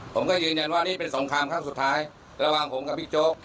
ผมก็ยืนยันว่านี่เป็นสงครามครั้งสุดท้ายระหว่างผมกับพี่โจ๊ก